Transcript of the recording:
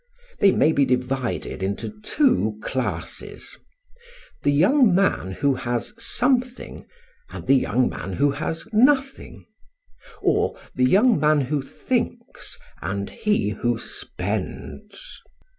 They may be divided into two classes: the young man who has something, and the young man who has nothing; or the young man who thinks and he who spends.